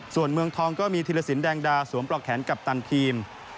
ส่วนเมืองทองก็มีธีรสินแดงดาสวมปลอกแขนกัปตันทีม